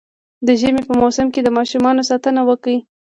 د ژمي په موسم کي د ماشومانو ساتنه وکړئ